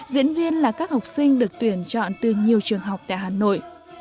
diễn viên là các học sinh được tuyển chọn từ nhiều trường học tại hà nội